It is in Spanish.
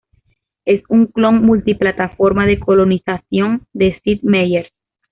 Es un clon multiplataforma de "Colonization" de Sid Meier.